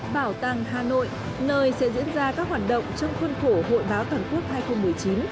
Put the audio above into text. bảo tàng hà nội nơi sẽ diễn ra các hoạt động trong khuôn khổ hội báo toàn quốc hai nghìn một mươi chín